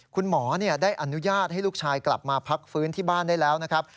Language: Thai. คุณหมอได้อนุญาตให้ลูกชายกลับมาพักฟื้นที่บ้านได้แล้วนะครับ